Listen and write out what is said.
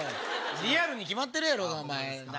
リアルに決まってるやろ。